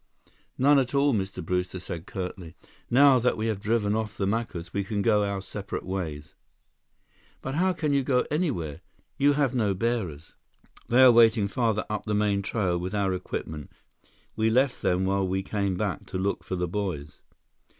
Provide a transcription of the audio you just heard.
"None at all," Mr. Brewster said curtly. "Now that we have driven off the Macus, we can go our separate ways." "But how can you go anywhere? You have no bearers." "They are waiting farther up the main trail, with our equipment. We left them while we came back to look for the boys."